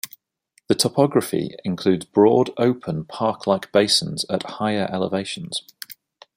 The topography includes broad open park-like basins at higher elevations.